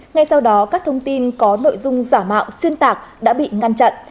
ngay sau đó các thông tin có nội dung giả mạo xuyên tạc đã bị ngăn chặn